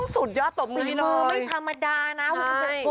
สุดยอดตบมื้อให้หน่อยมือไม่ธรรมดานะ